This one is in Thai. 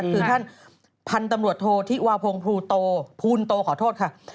คือท่านพันธุ์ตำรวจโทษธิวาพงศ์ภูโตภูลโตขอโทษค่ะ